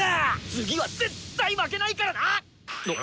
次は絶対負けないからな！